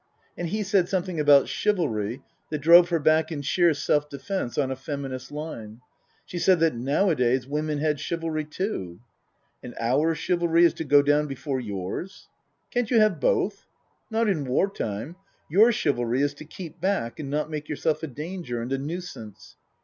And he said something about chivalry that drove her back in sheer self defence on a Feminist line. She said that nowadays women had chivalry too. " And our chivalry is to go down before yours ?"" Can't you have both ?"" Not in war time. Your chivalry is to keep back and not make yourself a danger and a nuisance."